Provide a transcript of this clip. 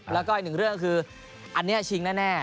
แล้วก็อีกหนึ่งเรื่องก็คืออันนี้ชิงแน่